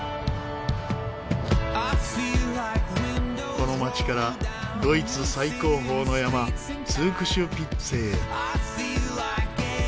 この街からドイツ最高峰の山ツークシュピッツェへ。